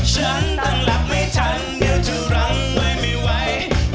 ฉันตั้งหลักไม่ทันเดี๋ยวจะรังไว้ไม่ไหว